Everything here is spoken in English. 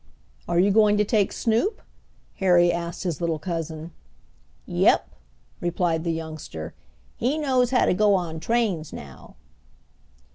"Are you going to take Snoop?" Harry asked his little cousin. "Yep," replied the youngster. "He knows how to go on trains now."